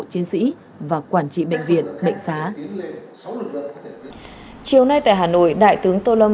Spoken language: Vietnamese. chiến sĩ và quản trị bệnh viện bệnh xá chiều nay tại hà nội đại tướng tô lâm